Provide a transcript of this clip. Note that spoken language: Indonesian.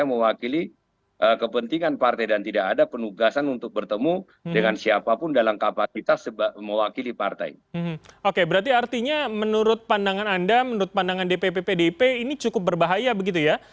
berarti artinya menurut pandangan anda menurut pandangan dpp pdip ini cukup berbahaya begitu ya